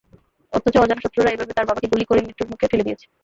অথচ অজানা শত্রুরা এভাবে তাঁর বাবাকে গুলি করে মৃত্যুর মুখে ঠেলে দিয়েছে।